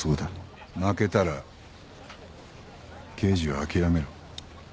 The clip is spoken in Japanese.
負けたら刑事は諦めろ。